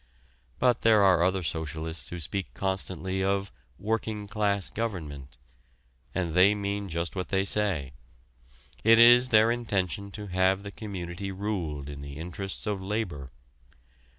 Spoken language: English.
But there are other socialists who speak constantly of "working class government" and they mean just what they say. It is their intention to have the community ruled in the interests of labor.